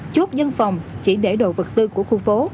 chốt dân phòng chỉ để đồ vật tư của khu phố